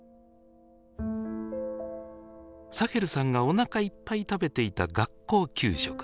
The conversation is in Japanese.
サヘルさんがおなかいっぱい食べていた学校給食。